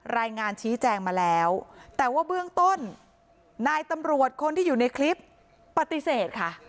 รายงานชี้แจงมาแล้วแต่ว่าเบื้องต้นนายตำรวจคนที่อยู่ในคลิปปฏิเสธค่ะ